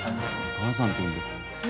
お母さんって呼んでる。